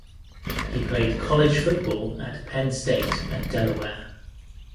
He played college football at Penn State and Delaware.